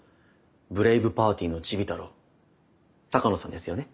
ブレイブ・パーティーのチビ太郎鷹野さんですよね。